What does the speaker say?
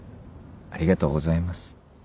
ありがとうございます。